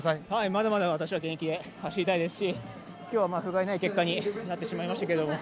まだまだ私は現役で走りたいですし、今日はふがいない結果になってしまいましたけど